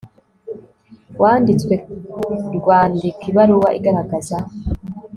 wanditswe rwandika ibaruwa igaragaza